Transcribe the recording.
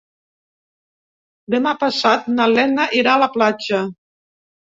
Demà passat na Lena irà a la platja.